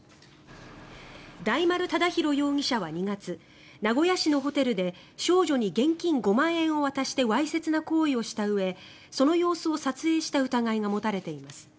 大丸侃広容疑者は２月名古屋市のホテルで少女に現金５万円を渡してわいせつな行為をしたうえその様子を撮影した疑いが持たれています。